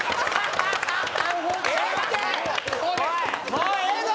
もうええぞ！